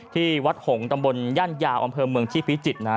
ที่วัดหงษ์ตำบลย่านยาวอำเภอเมืองที่พิจิตรนะฮะ